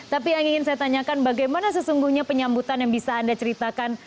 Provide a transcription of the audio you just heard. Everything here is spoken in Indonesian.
tapi yang ingin saya tanyakan bagaimana sesungguhnya penyambutan yang bisa anda ceritakan